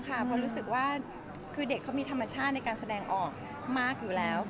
เพราะรู้สึกว่าคือเด็กเขามีธรรมชาติในการแสดงออกมากอยู่แล้ว